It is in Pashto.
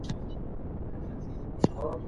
کتاب لوستل د انسان پر شخصيت ژور اثر لري.